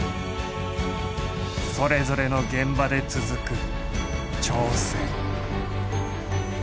それぞれの現場で続く挑戦。